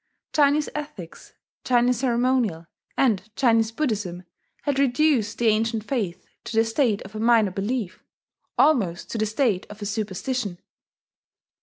Chinese ethics, Chinese ceremonial, and Chinese Buddhism had reduced the ancient faith to the state of a minor belief almost to the state of a superstition.